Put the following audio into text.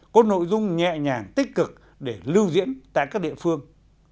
có nội dung nhẹ nhàng tích cực để lưu diễn tại các địa phương